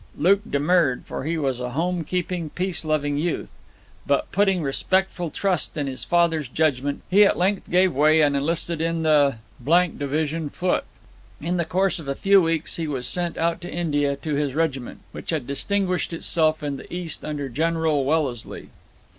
Luke demurred, for he was a home keeping, peace loving youth. But, putting respectful trust in his father's judgment, he at length gave way, and enlisted in the d Foot. In the course of a few weeks he was sent out to India to his regiment, which had distinguished itself in the East under General Wellesley.